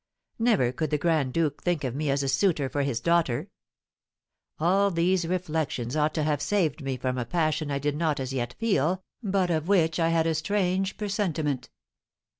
Never could the grand duke think of me as a suitor for his daughter. All these reflections ought to have saved me from a passion I did not as yet feel, but of which I had a strange presentiment.